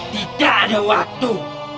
tidak ada waktu